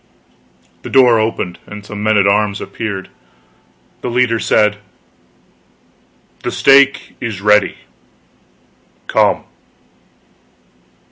The door opened, and some men at arms appeared. The leader said: "The stake is ready. Come!"